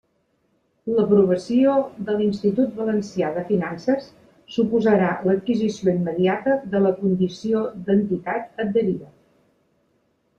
L'aprovació de l'Institut Valencià de Finances suposarà l'adquisició immediata de la condició d'entitat adherida.